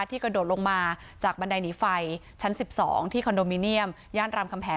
กระโดดลงมาจากบันไดหนีไฟชั้น๑๒ที่คอนโดมิเนียมย่านรามคำแหง